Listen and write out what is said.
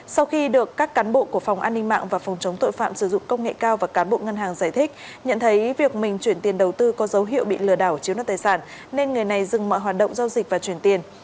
sau khi được các cán bộ của phòng an ninh mạng và phòng chống tội phạm sử dụng công nghệ cao và cán bộ ngân hàng giải thích nhận thấy việc mình chuyển tiền đầu tư có dấu hiệu bị lừa đảo chiếm đoạt tài sản nên người này dừng mọi hoạt động giao dịch và chuyển tiền